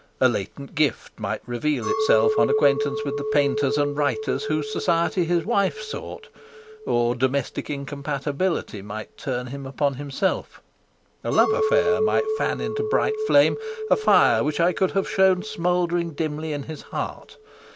A latent gift might reveal itself on acquaintance with the painters and writers whose society his wife sought; or domestic incompatability might turn him upon himself; a love affair might fan into bright flame a fire which I could have shown smouldering dimly in his heart.